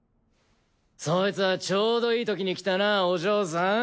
そいつはちょうどいいときに来たなお嬢さん。